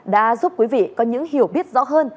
đã giúp quý vị có những hiểu biết rõ hơn